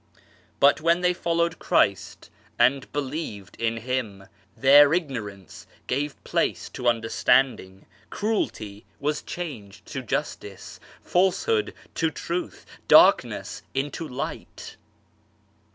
But when they followed Christ and believed in Him, their ignorance gave place to understanding, cruelty was changed to justice, falsehood to truth, darkness into light.